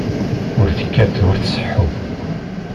Ur tekkat ur tseḥḥu.